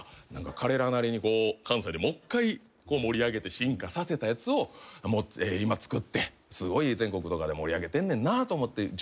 彼らなりに関西でもう一回盛り上げて進化させたやつを今作ってすごい全国とかで盛り上げてんねんなと思って。